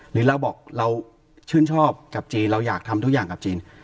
หรือเราบอกเราชื่นชอบกับจีนเราอยากทำทุกอย่างกับจีน